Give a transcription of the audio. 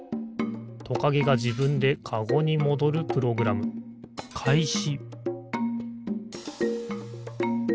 トカゲがじぶんでカゴにもどるプログラムかいし！